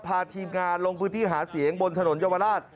พาทีมงานลงพื้นที่หาเสียงบนถนนเยาวราช